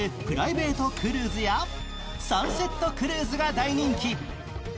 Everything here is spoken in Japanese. プライベートクルーズやサンセットクルーズが大人気。